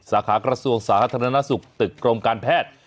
สาขากระทรวงสาธารณสุขตึกกรมการแพทย์